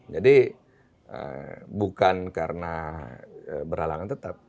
jadi bukan karena beralangan tetap